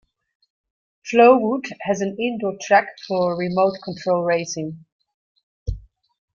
Flowood has an indoor track for remote control racing.